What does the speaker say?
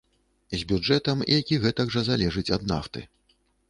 З бюджэтам, які гэтак жа залежыць ад нафты.